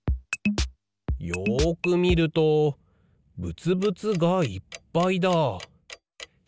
よくみるとぶつぶつがいっぱいだ。